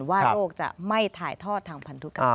ว่าโลกจะไม่ถ่ายทอดทางพันธุกรรม